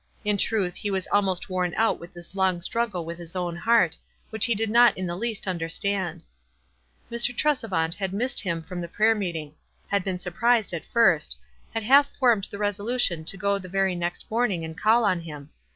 In truth he was almosi worn out with this long struggle with his own © CO heart, which he did not in the least understand. Mr. Tresevant had missed him from the prayer meeting ; had been surprised at first ; had half formed the resolution to go the very next morn ing and call on him.